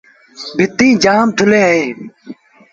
ڀتيٚن جآم ٿُلين اهيݩ۔